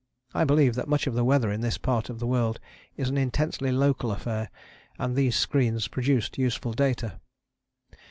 I believe that much of the weather in this part of the world is an intensely local affair, and these screens produced useful data.